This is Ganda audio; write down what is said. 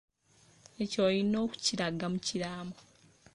Ekyo olina okukiraga mu kiraamo.